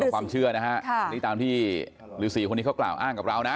ทุกความเชื่อนะฮะติดตามที่รุษีคนนี้เขากล่าวอ้างกับเรานะ